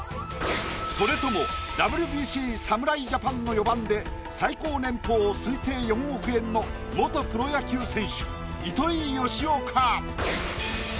それともＷＢＣ侍ジャパンの４番で最高年俸推定４億円の元プロ野球選手糸井嘉男か？